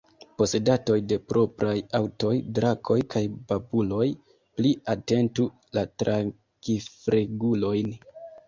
Posedantoj de propraj aŭtoj – Drakoj kaj Bubaloj – pli atentu la trafikregulojn.